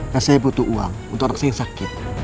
dan saya butuh uang untuk orang saya yang sakit